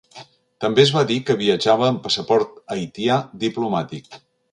També es va dir que viatjava amb passaport haitià diplomàtic.